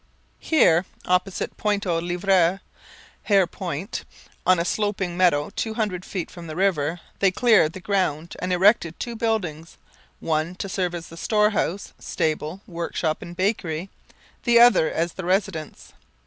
Here, opposite Pointe aux Lievres (Hare Point), on a sloping meadow two hundred feet from the river, they cleared the ground and erected two buildings one to serve as a storehouse, stable, workshop, and bakery; the other as the residence.